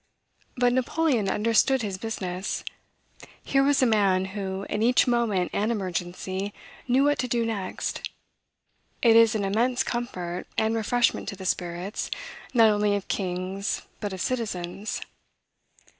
But Napoleon understood his business. Here was a man who, in each moment and emergency, knew what to do next. It is an immense comfort and refreshment to the spirits, not only of kings, but of citizens.